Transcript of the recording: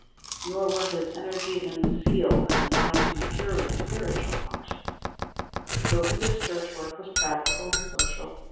Nor were his energy and zeal confined to purely spiritual functions. The scope of his church work was practical and social.